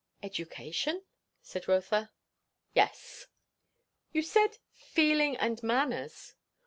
"Education?" said Rotha. "Yes." "You said, 'feeling and manners.'"